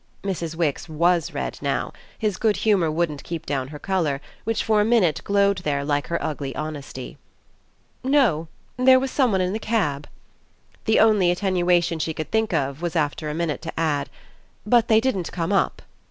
Mrs. Wix WAS red now: his good humour wouldn't keep down her colour, which for a minute glowed there like her ugly honesty. "No there was some one in the cab." The only attenuation she could think of was after a minute to add: "But they didn't come up."